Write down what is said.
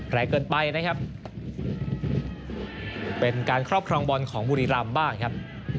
แรงเกินไปนะครับเป็นการครอบครองบอลของบุรีรำบ้างครับ